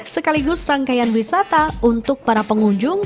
sekaligus rangkaian wisata untuk para pengunjung